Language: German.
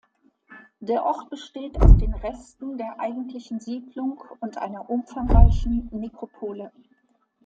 Der Ort besteht aus den Resten der eigentlichen Siedlung und einer umfangreichen Nekropole.